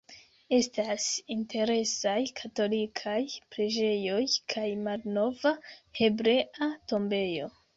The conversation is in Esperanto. Estas interesaj katolikaj preĝejoj kaj malnova Hebrea tombejo.